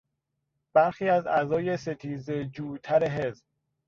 برخی از اعضای ستیزه جوتر حزب